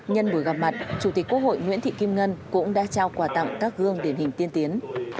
nhân buổi gặp mặt chủ tịch quốc hội nguyễn thị kim ngân cũng đã trao quà tặng các gương điển hình tiên tiến